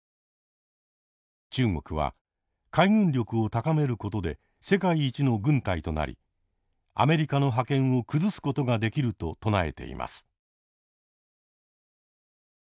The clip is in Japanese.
中国は海軍力を高めることで世界一の軍隊となりアメリカの覇権を崩すことができると唱えています。